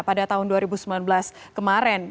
pada tahun dua ribu sembilan belas kemarin